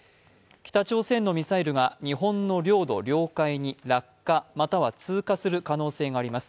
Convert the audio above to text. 北朝鮮のミサイルが日本の領土領海に落下、または通過する可能性があります。